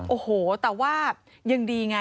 โอ้โหแต่ว่ายังดีไง